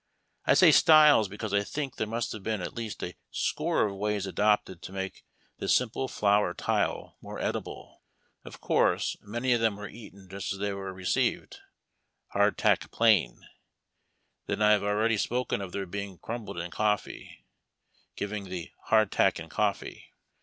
I say styles because I think there must have been at least a score of ways adopted to make this s,\\n\Ae fiour tile more edible. Of course, many of them were eaten just as they were received — hardtack plaiii ; then I have already spoken of their being crumbed in coffee, giving the " hardtack and coffee."